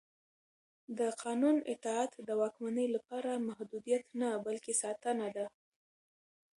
د قانون اطاعت د واکمنۍ لپاره محدودیت نه بلکې ساتنه ده